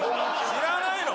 知らないの？